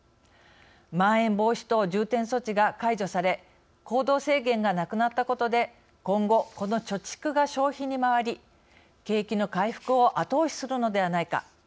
まん延防止等重点措置が解除され行動制限がなくなったことで今後、この貯蓄が消費に回り景気の回復を後押しするのではないか。